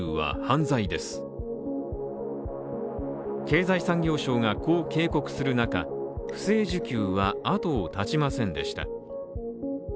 経済産業省がこう警告する中、不正受給は後を絶ちませんでした。